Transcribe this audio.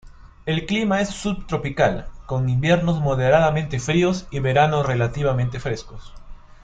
El clima es subtropical con inviernos moderadamente fríos y verano relativamente frescos.